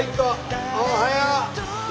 おはよう！